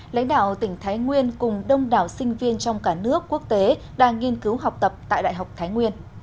lãnh đạo tỉnh thái nguyên cùng đông đảo sinh viên trong cả nước quốc tế đang nghiên cứu học tập tại đại học thái nguyên